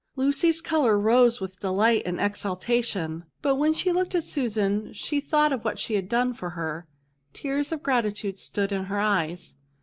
Lucy's colour rose with delight and exultation ; but when she looked Y 8 244 VERBS. at Susan, and thought what she had done for her, tears of gratitude stood in her eyes.